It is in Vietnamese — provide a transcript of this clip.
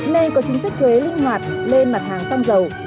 nay có chính sách thuế linh hoạt lên mặt hàng xăng dầu